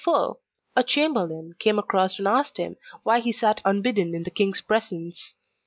Presently a chamberlain came across and asked him why he sat unbidden in the king's presence.